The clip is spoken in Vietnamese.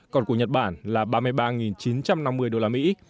còn của nhật bản là ba mươi ba chín trăm năm mươi đô la mỹ